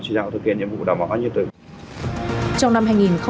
chỉ đạo thực hiện nhiệm vụ đảm bảo an nhân tử